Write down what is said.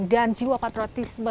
dan jiwa patriotisme